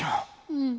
うん。